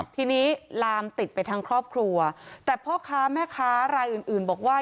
ทีนี้ลามติดไปทั้งครอบครัวแต่พ่อค้าแม่ค้ารายอื่นอื่นบอกว่า